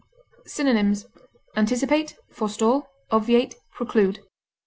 Synonyms: anticipate, forestall, obviate, preclude.